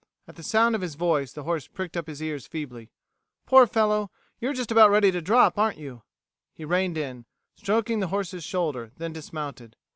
At the sound of his voice the horse pricked up his ears feebly. "Poor fellow! You're just about ready to drop, aren't you?" He reined in, stroking the horse's shoulder; then dismounted.